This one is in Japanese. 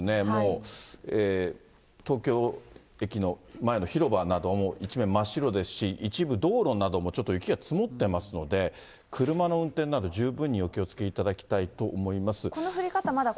もう東京駅の前の広場なども一面、真っ白ですし、一部、道路などもちょっと雪が積もってますので、車の運転など、十分にお気をつけいただきたいと思います。